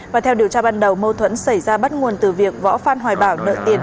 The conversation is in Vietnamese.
và theo điều tra ban đầu mâu thuẫn xảy ra bắt nguồn từ việc võ phan hoài bảo nợ tiền